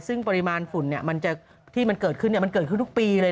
ซึ่งปริมาณฝุ่นที่มันเกิดขึ้นมันเกิดขึ้นทุกปีเลย